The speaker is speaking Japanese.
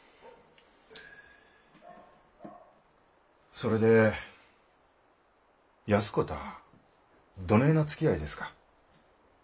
それで安子たあどねえなつきあいですか？